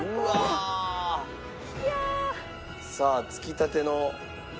さあつきたての。